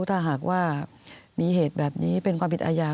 ถ้าหากว่ามีเหตุแบบนี้เป็นความผิดอาญา